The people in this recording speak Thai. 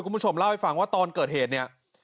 คุณผู้ชมเล่าให้ฟังว่าตอนเกิดเหตุเนี่ย